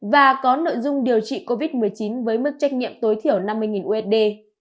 và có nội dung điều trị covid một mươi chín với mức trách nhiệm tối thiểu năm mươi usd